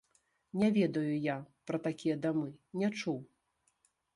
Не ведаю я пра такія дамы, не чуў.